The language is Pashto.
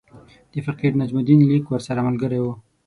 د فقیر نجم الدین لیک ورسره ملګری وو.